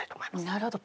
なるほど。